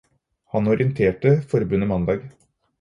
Han orienterte forbundet mandag.